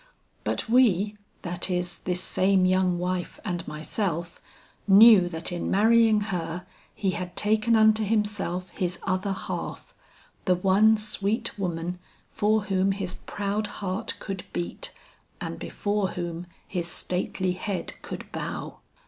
But we, that is, this same young wife and myself, knew that in marrying her he had taken unto himself his other half, the one sweet woman for whom his proud heart could beat and before whom his stately head could bow.